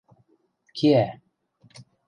Кеӓ.